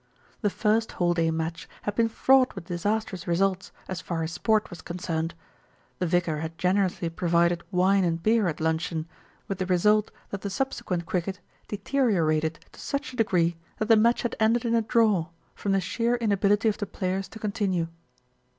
The first whole day match had been fraught with disastrous results as far as sport was concerned. The vicar had generously provided wine and beer at luncheon, with the result that the subsequent cricket deteriorated to such a degree that the match had ended in a draw, from the sheer inability of the players to continue.